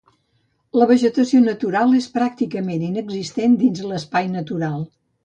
La vegetació natural és pràcticament inexistent dins l’espai natural.